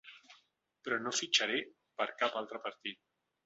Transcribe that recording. Però no fitxaré per cap altre partit.